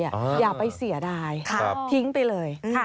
อย่าไปเสียดายทิ้งไปเลย